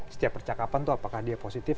setiap percakapan itu apakah dia positif